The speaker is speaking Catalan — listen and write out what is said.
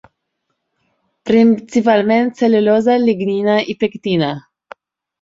Principalment cel·lulosa, lignina i pectina.